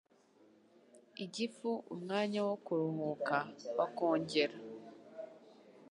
igifu umwanya wo kuruhuka, bakongera